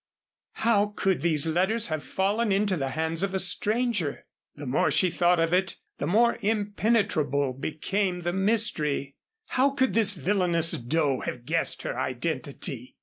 How could these letters have fallen into the hands of a stranger? The more she thought of it the more impenetrable became the mystery. How could this villainous Doe have guessed her identity?